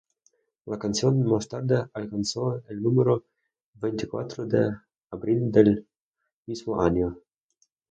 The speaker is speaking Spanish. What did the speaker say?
La canción más tarde alcanzó el número veinticuatro de abril del mismo año.